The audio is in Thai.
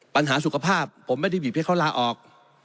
ปัญหาสุขภาพผมไม่ได้บีบให้เขาลาออก